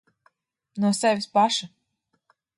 No sevis paša.